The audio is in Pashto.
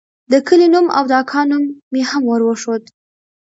د کلي نوم او د اکا نوم مې هم وروښود.